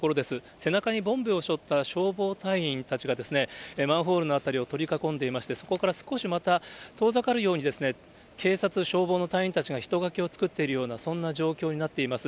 背中にボンベをしょった消防隊員たちが、マンホールの辺りを取り囲んでいまして、そこから少しまた遠ざかるように警察、消防の隊員たちが人垣を作っているような、そんな状況になっています。